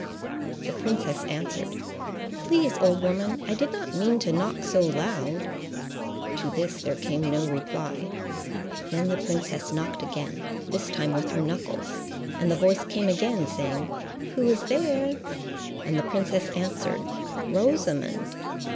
The princess answered, "Please, old woman, I did not mean to knock so loud." To this there came no reply. Then the princess knocked again, this time with her knuckles, and the voice came again, saying, "Who is there?" And the princess answered, "Rosamond."